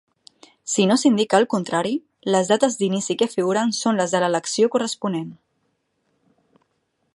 Si no s'indica el contrari, les dates d'inici que figuren són les de l'elecció corresponent.